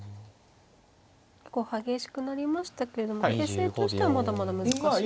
結構激しくなりましたけれども形勢としてはまだまだ難しいですか。